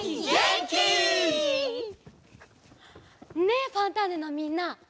ねえ「ファンターネ！」のみんな。